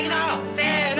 せの！